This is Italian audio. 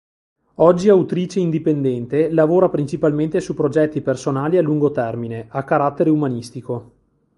Oggi autrice indipendente, lavora principalmente su progetti personali a lungo termine, a carattere umanistico.